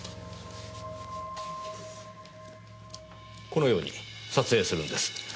このように撮影するんです。